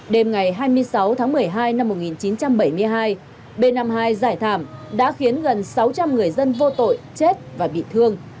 đêm ngày hai mươi sáu tháng một mươi hai năm một nghìn chín trăm bảy mươi hai b năm mươi hai giải thảm đã khiến gần sáu trăm linh người dân vô tội chết và bị thương